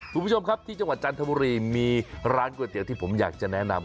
คุณผู้ชมครับที่จังหวัดจันทบุรีมีร้านก๋วยเตี๋ยวที่ผมอยากจะแนะนำ